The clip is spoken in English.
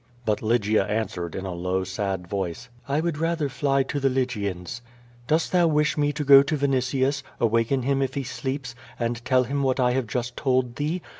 But Lygia answered, in a low, sad voice: "I would rather fly to the Lygians." "Dost thou wish me to go to Vinitius, awaken him if he sleeps, and tell him what I have just told thee?